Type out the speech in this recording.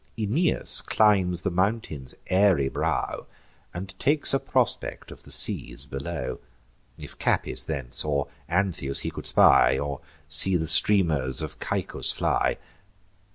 Aeneas climbs the mountain's airy brow, And takes a prospect of the seas below, If Capys thence, or Antheus he could spy, Or see the streamers of Caicus fly.